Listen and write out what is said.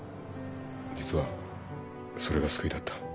実はそれが救いだった。